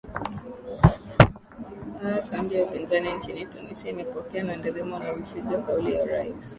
aa kambi ya upinzani nchini tunisia imepokea kwa nderemo na vifijo kauli ya urais